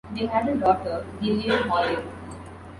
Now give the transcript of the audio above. They had a daughter, Gillian Hawley.